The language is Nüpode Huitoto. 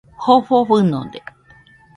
Jofo fɨnode